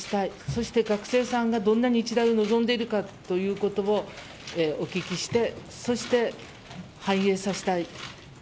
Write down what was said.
そして学生さんが、どんな日大を望んでいるかということをお聞きしてそして、反映させたい。